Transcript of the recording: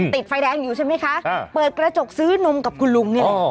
ติดไฟแดงอยู่ใช่ไหมคะเปิดกระจกซื้อนมกับคุณลุงนี่แหละ